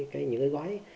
cái những cái gói